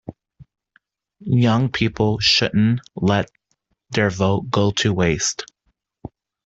Young people shouldn't let their vote go to waste.